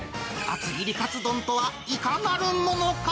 厚切りかつ丼とはいかなるものか。